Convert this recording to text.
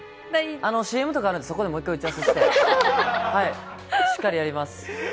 ＣＭとかあるので、もう一回、そこで打ち合わせしてしっかりやります。